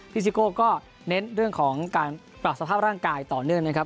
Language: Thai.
ซิโก้ก็เน้นเรื่องของการปรับสภาพร่างกายต่อเนื่องนะครับ